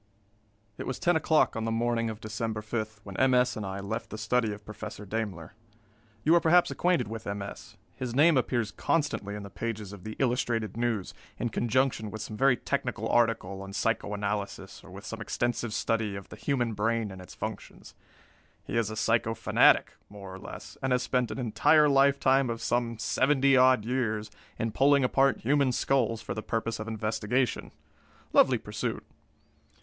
_] It was ten o'clock on the morning of December 5 when M. S. and I left the study of Professor Daimler. You are perhaps acquainted with M. S. His name appears constantly in the pages of the Illustrated News, in conjunction with some very technical article on psycho analysis or with some extensive study of the human brain and its functions. He is a psycho fanatic, more or less, and has spent an entire lifetime of some seventy odd years in pulling apart human skulls for the purpose of investigation. Lovely pursuit!